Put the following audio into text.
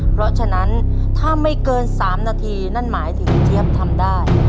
เพราะฉะนั้นถ้าไม่เกิน๓นาทีนั่นหมายถึงเจี๊ยบทำได้